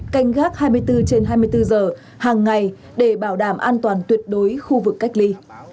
canh gác hai mươi bốn trên hai mươi bốn giờ hàng ngày để bảo đảm an toàn tuyệt đối khu vực cách ly